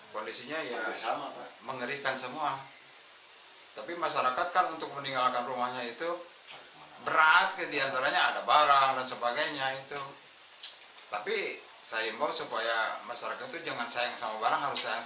pemerintah desa berupaya mengaku khawatir jika ada pergerakan tanah susulan